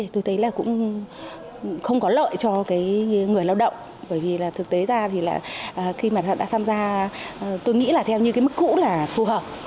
tôi thấy là cũng không có lợi cho người lao động bởi vì thực tế ra thì khi mà họ đã tham gia tôi nghĩ là theo mức cũ là phù hợp